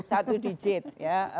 satu digit ya